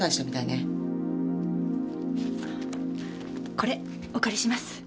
これお借りします。